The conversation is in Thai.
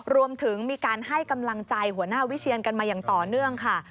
รวมถึงมีการให้กำลังใจหัวหน้าวิเชียนกันมาอย่างต่อเนื่องค่ะ